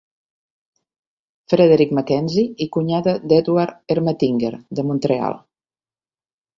Frederick Mackenzie i cunyada d'Edward Ermatinger, de Montreal.